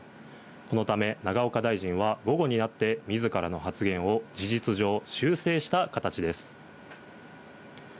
このため、永岡大臣は午後になって、みずからの発言を事実上、修正した形です。